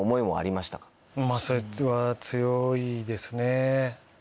まぁそれは強いですね。